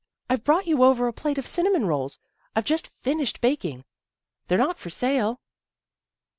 I've brought you over a plate of cinnamon rolls, I've just finished ba king. They're not for sale."